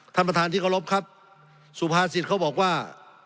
ท่านประธานที่เคารพครับสุภาษิตเขาบอกว่า